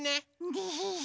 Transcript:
デヘヘ。